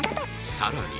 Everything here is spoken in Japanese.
さらに